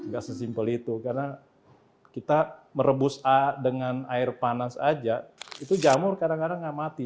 gak sesimpel itu karena kita merebus dengan air panas aja itu jamur kadang kadang nggak mati